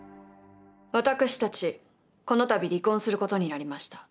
私たちこの度離婚することになりました。